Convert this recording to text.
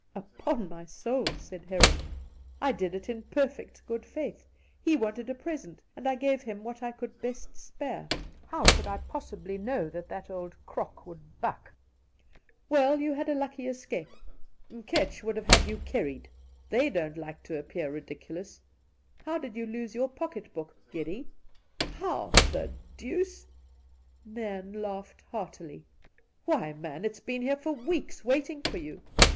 ' Upon my soul,' said Heron, ' I did it in perfect good faith. He wanted a present, and I gave him what I could best spare. How could I possibly know that that old crock would buck ?'' Well, you had a lucky escape. Umketch 7 98 Induna Nairn would have had you kerried. They don't like to appear ridiculous. How did you lose your pocket book, Geddy ?'' How — the — deuce ' Nairn laughed heartily. ' Why, man, it has been here for weeks, waiting for you!